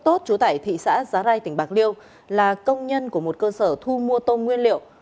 tốt trú tải thị xã giá rai tỉnh bạc liêu là công nhân của một cơ sở thu mua tôm nguyên liệu